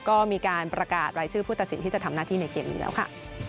ก็มีการประกาศรายชื่อผู้ตัดสินที่จะทำหน้าที่ในเกมนี้แล้วค่ะ